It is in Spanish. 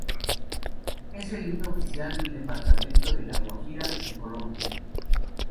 Es el himno oficial del Departamento de La Guajira, en Colombia.